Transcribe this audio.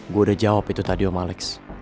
gua udah jawab itu tadi om alex